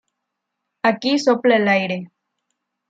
Aquí sopla el aire